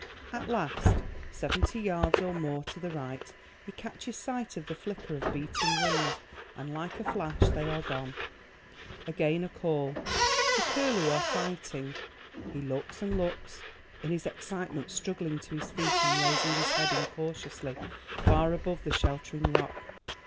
At last, seventy yards or more to the right, he catches sight of the flicker of beating wings, and, like a flash, they are gone. Again a call—the curlew are flighting. He looks and looks, in his excitement struggling to his feet and raising his head incautiously far above the sheltering rock.